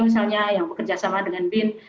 misalnya yang bekerjasama dengan bin